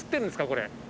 これ。